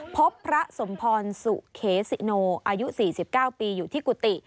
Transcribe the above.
พบพระสมพรสุเขสิโนอายุ๔๙ปีอยู่ที่กุฏิ